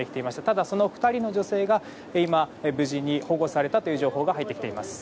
ただ２人の女性が今無事に保護されたという情報が入ってきています。